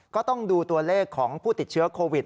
ก็ต้องดูตัวเลขของผู้ติดเชื้อโควิด